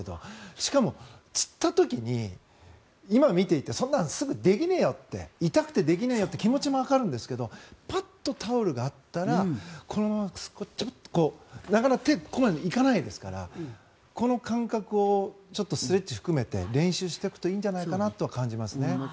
しかもつった時に今、見ていてそんなのすぐできねえよって痛くてできねえよって気持ちもわかるんですがパッとタオルがあったらこのまま、なかなか手がここまでいかないですからこの感覚をストレッチを含めて練習しておくといいんじゃないかなと思いますね。